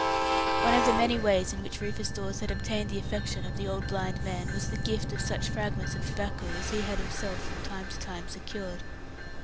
One of the many ways in which Rufus Dawes had obtained the affection of the old blind man was a gift of such fragments of tobacco as he had himself from time to time secured.